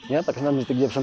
ya pakai tenaga mistik dia